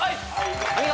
お見事。